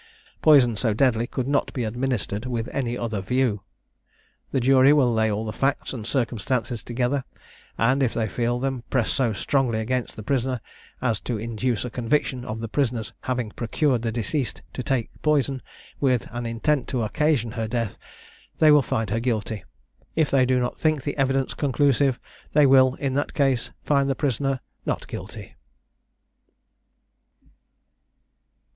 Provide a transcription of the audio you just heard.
Poison so deadly could not be administered with any other view. The jury will lay all the facts and circumstances together; and if they feel them press so strongly against the prisoner, as to induce a conviction of the prisoner's having procured the deceased to take poison, with an intent to occasion her death, they will find her guilty; if they do not think the evidence conclusive, they will, in that case, find the prisoner not guilty."